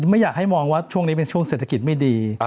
ไม่อยากให้มองว่าช่วงนี้เป็นช่วงเศรษฐกิจไม่ดี